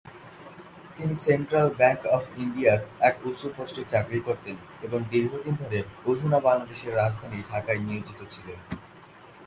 তিনি central bank of ইন্ডিয়ার এক উঁচু পোস্টে চাকরি করতেন এবং দীর্ঘদিন ধরে অধুনা বাংলাদেশের রাজধানী ঢাকায় নিয়োজিত ছিলেন।